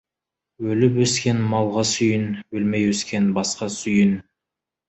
Өліп өскен малға сүйін, өлмей өскен басқа сүйін.